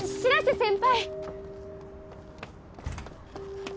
先輩